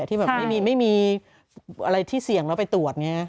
ที่แบบไม่มีอะไรที่เสี่ยงเราไปตรวจเนี่ย